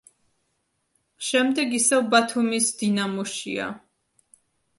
შემდეგ ისევ ბათუმის „დინამოშია“.